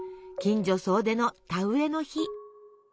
近所総出の田植えの日。